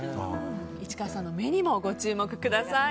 市川さんの目にもご注目ください。